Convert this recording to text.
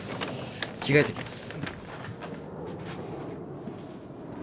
着替えてきます。